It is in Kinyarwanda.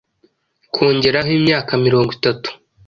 kongeraho imyaka mirongo itatu